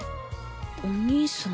お兄さん？